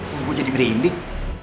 aku jadi merinding